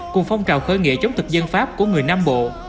cùng phong trào khởi nghệ chống thực dân pháp của người nam bộ